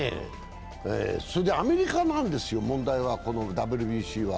アメリカなんですよ、問題はＷＢＣは。